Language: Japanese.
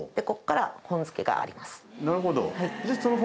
なるほど。